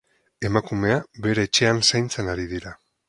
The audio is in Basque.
Emakumea bere etxean zaintzen ari dira.